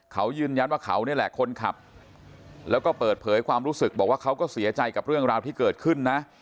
เขายืนยันว่าเขานี่แหละคนขับแล้วก็เปิดเผยความรู้สึกบอกว่าเขาก็เสียใจกับเรื่องราวที่เกิดขึ้นนะ